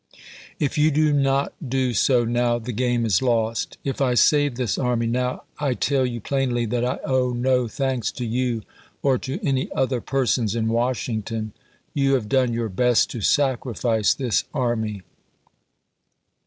If you do not do so now, the game is lost. y, p If I save this army now, I tell you plainly that I owe no p"rt'^i'" thanks to you or to any other persons in Washington, p. ci.' You have done your best to sacrifice this army.